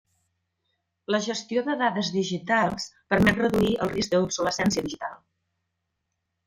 La gestió de dades digitals permet reduir el risc de l'obsolescència digital.